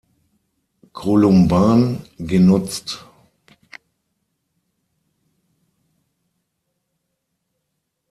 Columban, genutzt.